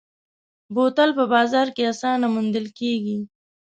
بوتل په بازار کې اسانه موندل کېږي.